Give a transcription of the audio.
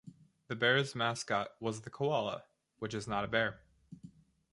The Bears' mascot was the koala, which is not a Bear.